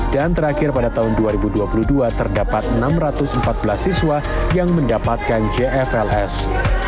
dan terakhir pada tahun dua ribu dua puluh dua terdapat enam ratus empat belas siswa yang mendapatkan jfls